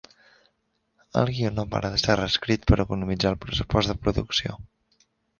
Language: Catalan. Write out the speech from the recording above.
El guió no para de ser reescrit per economitzar el pressupost de producció.